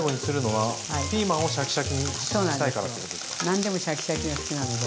何でもシャキシャキが好きなので。